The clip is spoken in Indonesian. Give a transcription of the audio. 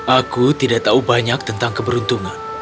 aku tidak tahu banyak tentang keberuntungan